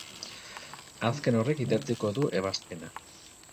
Azken horrek idatziko du ebazpena.